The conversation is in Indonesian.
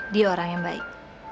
dia orang yang baik